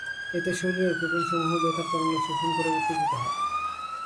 এতে শরীরের প্রোটনসমূহ বেতার তরঙ্গ শোষণ করে উত্তেজিত হয়।